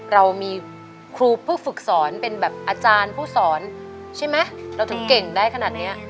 เรามีครูผู้ฝึกสอนเป็นแบบอาจารย์ผู้สอนใช่ไหมเราถึงเก่งได้ขนาดนี้